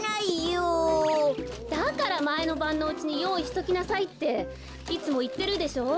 だからまえのばんのうちによういしときなさいっていつもいってるでしょう？